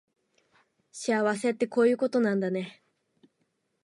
幸せってこういうことなんだね